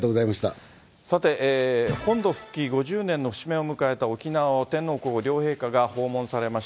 さて、本土復帰５０年の節目を迎えた沖縄を天皇皇后両陛下が訪問されま